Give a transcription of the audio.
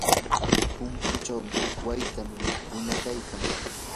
punkuchawmi huk wayta winaykan.